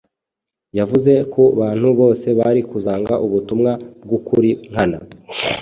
Yavuze ku bantu bose bari kuzanga ubutumwa bw’ukuri nkana